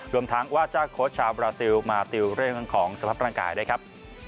รวมทั้งว่าจ้างโค้ชชาวบราซิลมาติวเรื่องของสภาพร่างกายด้วยครับ